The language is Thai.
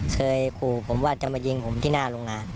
เคยขู่ผมว่าจะมายิงผมที่หน้าโรงงาน